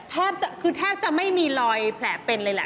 ทักจะคือทักจะไม่มีลอยแผลเป็นเลยล่ะ